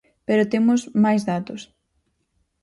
Pero temos máis datos.